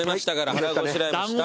腹ごしらえもしたんで。